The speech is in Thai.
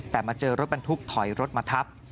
แต่มาเจอรถบรรทุกถอยรถมาทับ